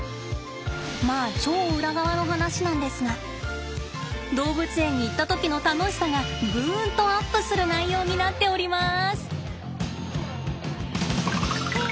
まあ超裏側の話なんですが動物園に行った時の楽しさがぐんとアップする内容になっております。